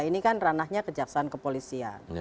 ini kan ranahnya kejaksaan kepolisian